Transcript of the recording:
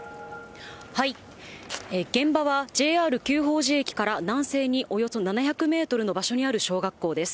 現場はＪＲ久宝寺駅から南西におよそ７００メートルの場所にある小学校です。